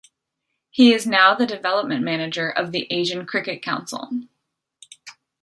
He is now the Development Manager of the Asian Cricket Council.